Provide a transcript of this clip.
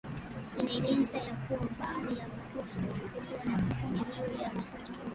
inaeleza ya kuwa baadhi ya hatua zilizochukuliwa na kampuni hiyo ya mafuta